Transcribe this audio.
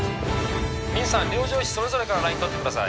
ミンさん両上肢それぞれからラインとってください